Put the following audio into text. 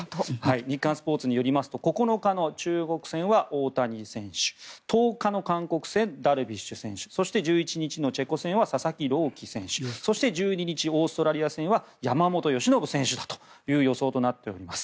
日刊スポーツによりますと９日の中国戦は大谷選手１０日の韓国戦はダルビッシュ選手そして１１日のチェコ戦は佐々木朗希選手そして、１２日オーストラリア戦は山本由伸選手という予想になっております。